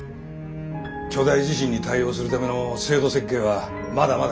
巨大地震に対応するための制度設計はまだまだこれからだ。